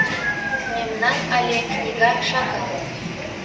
Мемнан але книга шагал...